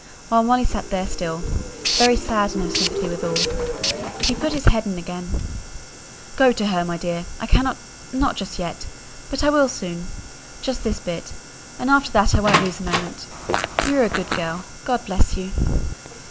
While Molly sat there still, very sad in her sympathy with all, he put his head in again: "Go to her, my dear; I cannot not just yet. But I will soon. Just this bit; and after that I won't lose a moment. You're a good girl. God bless you!"